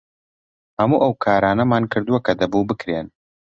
هەموو ئەو کارانەمان کردووە کە دەبوو بکرێن.